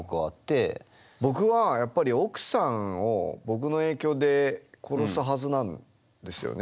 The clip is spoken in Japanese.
僕はやっぱり奥さんを僕の影響で殺すはずなんですよね。